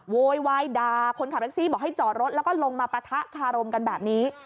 โวยวายด่าคนขับแท็กซี่บอกให้จอดรถแล้วก็ลงมาปะทะคารมกันแบบนี้